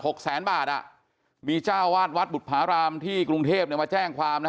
หกแสนบาทมีเจ้าวาดวัดบุภารามที่กรุงเทพมาแจ้งความ